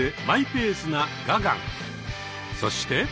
そして。